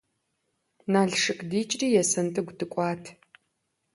Налшык дикӏри Есэнтӏыгу дыкӏуат.